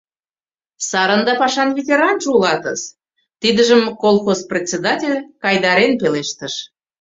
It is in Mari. Сарын да пашан ветеранже улатыс... — тидыжым колхоз председатель кайдарен пелештыш.